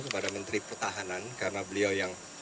kepada menteri pertahanan karena beliau yang